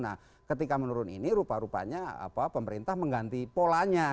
nah ketika menurun ini rupa rupanya pemerintah mengganti polanya